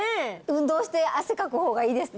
運動して汗かく方がいいです